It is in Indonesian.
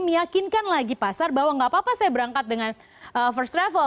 meyakinkan lagi pasar bahwa gak apa apa saya berangkat dengan first travel